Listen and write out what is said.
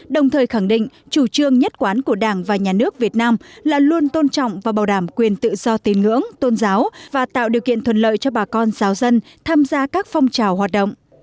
đồng thời khẳng định chủ trương nhất quán của đảng và nhà nước việt nam là luôn tôn trọng và bảo đảm quyền tự do tín ngưỡng tôn giáo và tạo điều kiện thuận lợi cho bà con giáo dân tham gia các phong trào hoạt động